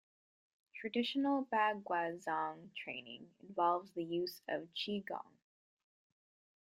Traditional Baguazhang training involves the use of qinggong.